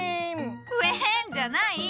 ふえんじゃない！